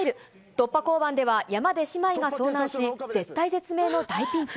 突破交番では、山で姉妹が遭難し、絶体絶命の大ピンチ。